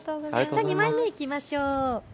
２枚目いきましょう。